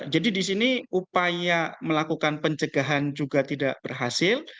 jadi di sini upaya melakukan pencegahan juga tidak berhasil